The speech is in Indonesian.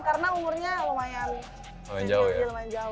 karena umurnya lumayan jauh